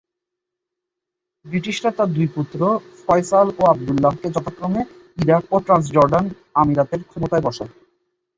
ব্রিটিশরা তার দুই পুত্র ফয়সাল ও আবদুল্লাহকে যথাক্রমে ইরাক ও ট্রান্সজর্ডান আমিরাতের ক্ষমতায় বসায়।